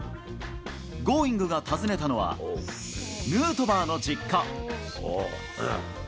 Ｇｏｉｎｇ！が訪ねたのは、ヌートバーの実家。